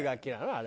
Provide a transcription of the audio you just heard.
あれ。